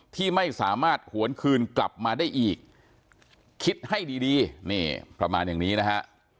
ที่ไม่สามารถหวนคืนกลับมาได้อีกคิดให้ดีดีนี่ประมาณอย่างนี้นะฮะ